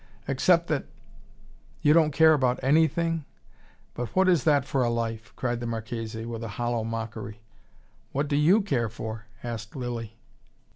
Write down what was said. Except that " "You don't care about anything? But what is that for a life?" cried the Marchese, with a hollow mockery. "What do YOU care for?" asked Lilly.